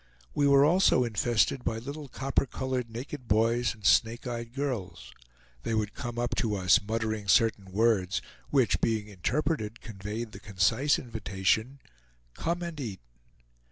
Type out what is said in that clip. We were also infested by little copper colored naked boys and snake eyed girls. They would come up to us, muttering certain words, which being interpreted conveyed the concise invitation, "Come and eat."